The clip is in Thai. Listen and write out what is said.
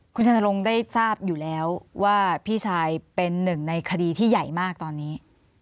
คุณชนรงค์ได้ทราบอยู่แล้วว่าพี่ชายเป็นหนึ่งในคดีที่ใหญ่มากตอนนี้